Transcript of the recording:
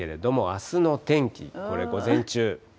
あすの天気、これ、午前中。